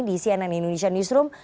di cnn indonesia newsroom